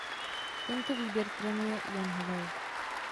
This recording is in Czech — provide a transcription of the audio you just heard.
Tento výběr trénuje Jan Havel.